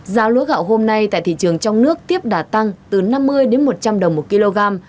giá lúa gạo hôm nay tại thị trường trong nước tiếp đà tăng từ năm mươi đến một trăm linh đồng một kg